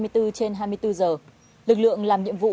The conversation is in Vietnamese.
trên hai mươi bốn h lực lượng làm nhiệm vụ